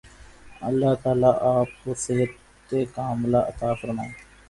اللہ تعالی آپ کو صحت ِکاملہ عطا فرمائے